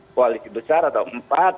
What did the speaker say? ada tiga koalisi besar atau empat